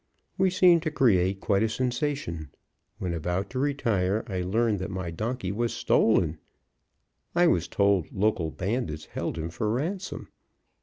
We seemed to create quite a sensation. When about to retire, I learned that my donkey was stolen; I was told local bandits held him for ransom.